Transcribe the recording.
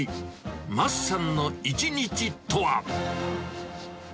マスさんの一日とは。